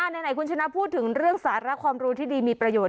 ไหนคุณชนะพูดถึงเรื่องสาระความรู้ที่ดีมีประโยชน